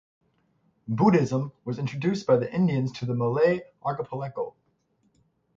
Buddhism was introduced by the Indians to the Malay Archipelago.